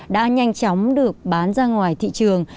đã nhanh chóng được bán ra ngoài thị trường